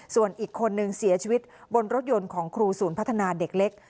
ส่วนอีกคนนึงเสียชีวิตบนรถยนต์ของครูศูนย์พัฒนาเด็กเล็ก